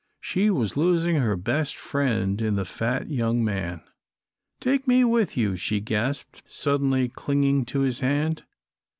She was losing her best friend in the fat young man. "Take me with you," she gasped, suddenly clinging to his hand.